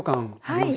はい。